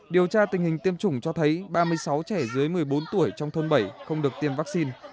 điều tra tình hình tiêm chủng cho thấy ba mươi sáu trẻ dưới một mươi bốn tuổi trong thôn bảy không được tiêm vaccine